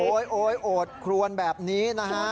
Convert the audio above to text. โอ๊ยโอ๊ยโอดครวนแบบนี้นะฮะ